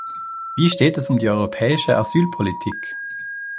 Wie steht es um die europäische Asylpolitik?